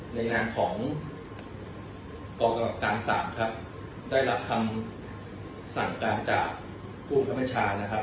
ในนามของกรกรรมการสามครับได้รับคำสั่งการจากภูมิธรรมชาญนะครับ